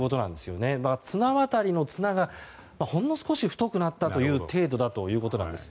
綱渡りの綱がほんの少し太くなったという程度だということです。